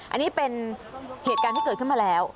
อันนี้เป็นเหตุการณ์ที่เกิดขึ้นมาแล้ว